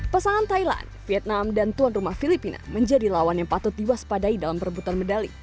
pasangan thailand vietnam dan tuan rumah filipina menjadi lawan yang patut diwaspadai dalam perebutan medali